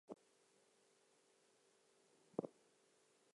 However, it is now destroyed.